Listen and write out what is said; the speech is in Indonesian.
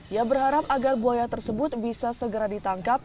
ia berharap agar buaya tersebut bisa segera ditangkap